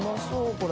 これ。